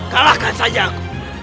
kalahkan saja aku